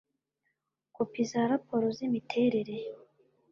kopi za raporo z imiterere